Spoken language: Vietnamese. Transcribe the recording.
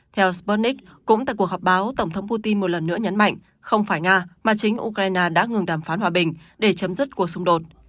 theo sputnik cũng tại cuộc họp báo tổng thống putin một lần nữa nhấn mạnh không phải nga mà chính ukraine đã ngừng đàm phán hòa bình để chấm dứt cuộc xung đột